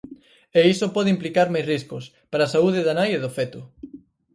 E iso pode implicar máis riscos para a saúde da nai e do feto.